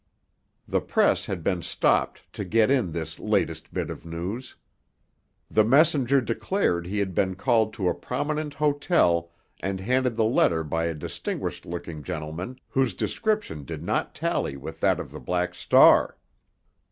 The press had been stopped to get in this latest bit of news. The messenger declared he had been called to a prominent hotel and handed the letter by a distinguished looking gentleman whose description did not tally with that of the Back Star.